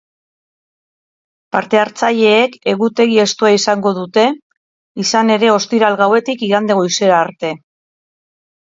Parte-hartzaileek egutegi estua izango dute, izan ere ostiral gauetik igande goizera arte.